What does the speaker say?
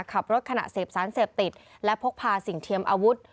ขับรถขณะเสพสารเสพติดและพกพาสิ่งเทียมอาวุธ